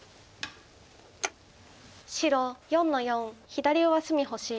白４の四左上隅星。